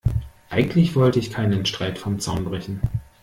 Eigentlich wollte ich keinen Streit vom Zaun brechen.